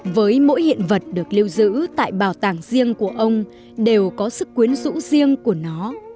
với mỗi hiện vật được lưu giữ tại bảo tàng riêng của ông đều có sức quyến rũ riêng của nó